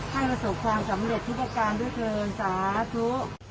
ประสบความสำเร็จทุกประการด้วยเทินสาธุ